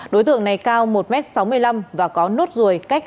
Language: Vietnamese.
đối tượng này cao một m sáu mươi năm và có nốt ruồi cách năm cm